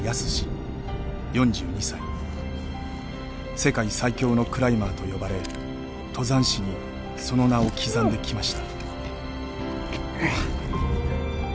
「世界最強のクライマー」と呼ばれ登山史にその名を刻んできました。